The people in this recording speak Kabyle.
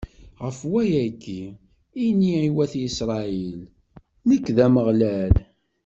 ɣef wayagi, ini i wat Isṛayil: Nekk, d Ameɣlal.